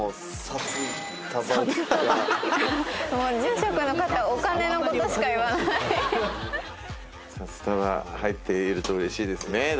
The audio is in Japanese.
札束入っているとうれしいですね。